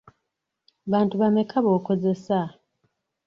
Bantu bameka b'okozesa?